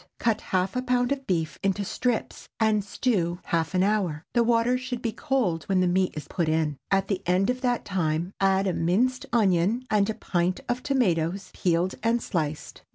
Cut half a pound of beef into strips and stew half an hour. The water should be cold when the meat is put in. At the end of that time, add a minced onion and a pint of tomatoes peeled and sliced.